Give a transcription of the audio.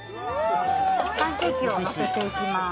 パンケーキを乗せていきます。